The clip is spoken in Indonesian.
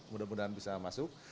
mudah mudahan bisa masuk